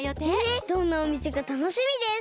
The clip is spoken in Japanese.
えどんなおみせかたのしみです。